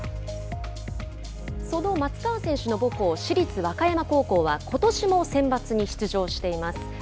その松川選手の母校、市立和歌山高校はことしもセンバツに出場しています。